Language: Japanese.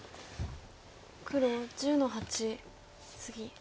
黒１０の八ツギ。